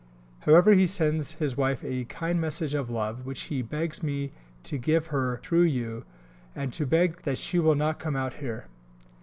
However he sends his wife a kind message of love, which he begs me to give her through you, and to beg that she will not come out here.